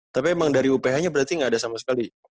tapi emang dari uph nya berarti nggak ada sama sekali